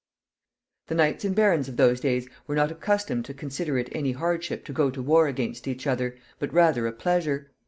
The knights and barons of those days were not accustomed to consider it any hardship to go to war against each other, but rather a pleasure.